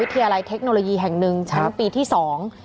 วิทยาลัยเทคโนโลยีแห่งหนึ่งชั้นปีที่สอง